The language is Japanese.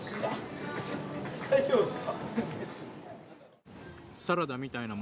大丈夫っすか？